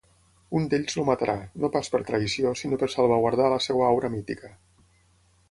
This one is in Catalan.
Un d'ells el matarà, no pas per traïció sinó per salvaguardar la seva aura mítica.